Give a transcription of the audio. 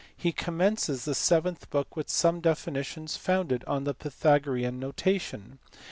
He commences the seventh book with some definitions founded on the Pythagorean notation.